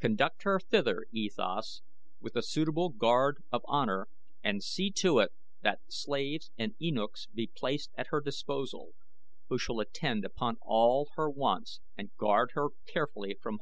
Conduct her thither, E Thas, with a suitable guard of honor and see to it that slaves and eunuchs be placed at her disposal, who shall attend upon all her wants and guard her carefully from harm."